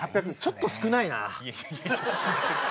ちょっと少ないなぁ。